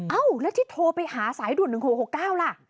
เอ้าแล้วที่โทรไปหาสายด่วน๑๖๖๙ล่ะ